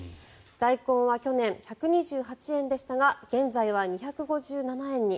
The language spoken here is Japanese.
大根は去年１２８円でしたが現在は２５７円に。